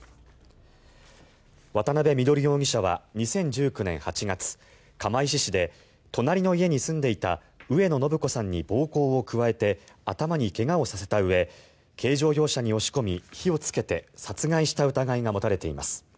渡部稔容疑者は２０１９年８月釜石市で隣の家に住んでいた上野誠子さんに暴行を加えて頭に怪我をさせたうえ軽乗用車に押し込み、火をつけて殺害した疑いが持たれています。